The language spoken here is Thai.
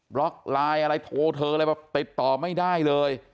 ล็อกไลน์อะไรโทรเธออะไรแบบติดต่อไม่ได้เลย